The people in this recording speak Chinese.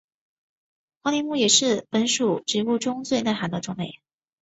黄连木也是本属植物中最耐寒的种类。